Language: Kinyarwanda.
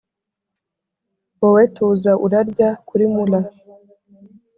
wowe tuza urarya kuri mulla